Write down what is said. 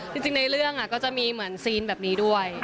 จริงในเรื่องก็จะมีเหมือนซีนแบบนี้ด้วย